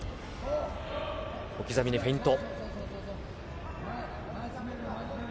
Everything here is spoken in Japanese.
小刻みにフェイント。